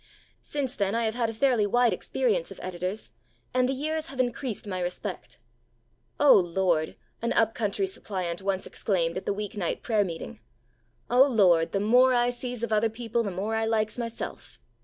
Since then I have had a fairly wide experience of editors, and the years have increased my respect. 'O Lord,' an up country suppliant once exclaimed at the week night prayer meeting, 'O Lord, the more I sees of other people the more I likes myself!'